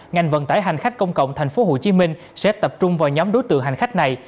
ngành vận tải hành khách công cộng tp hcm sẽ tập trung vào nhóm đối tượng hành khách này